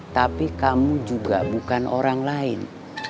tapi kamu juga bukan orang lain